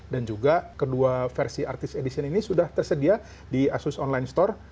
dan juga kedua versi artist edition ini sudah tersedia di asus online store